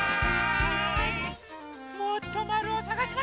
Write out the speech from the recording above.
もっとまるをさがしましょう！